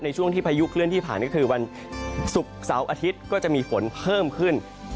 ช่วงที่พายุเคลื่อนที่ผ่านก็คือวันศุกร์เสาร์อาทิตย์ก็จะมีฝนเพิ่มขึ้น